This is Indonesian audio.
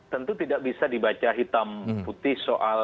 tentu tidak bisa dibaca hitam putih soal